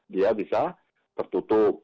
dia bisa tertutup